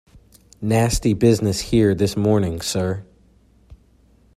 Nasty business here this morning, sir.